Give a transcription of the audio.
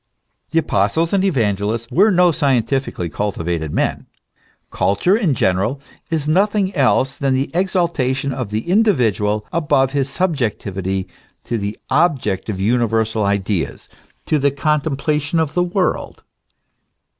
The Apostles and Evangelists were no scientifically cultivated men. Culture, in general, is nothing else than the exaltation of the individual above his subjectivity to objective universal ideas, to the contemplation of the world.